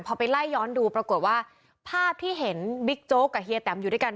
พอไปไล่ย้อนดูปรากฏว่าภาพที่เห็นบิ๊กโจ๊กกับเฮียแตมอยู่ด้วยกัน